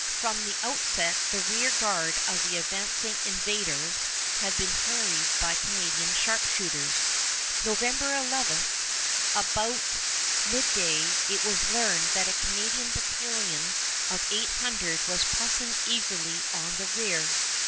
From the outset the rear guard of the advancing invaders had been harried by Canadian sharpshooters. November 11, about midday, it was learned that a Canadian battalion of eight hundred was pressing eagerly on the rear.